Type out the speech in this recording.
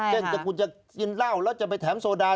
เช่นคุณจะกินเหล้าแล้วจะไปแถมโซดา